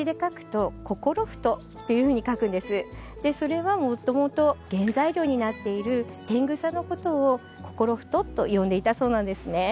それはもともと原材料になっている天草のことを「こころふと」と呼んでいたそうなんですね